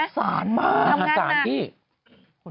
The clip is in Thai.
พาสารมาทำงานหนัก